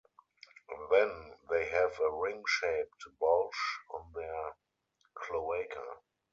Then they have a ring-shaped bulge on their cloaca.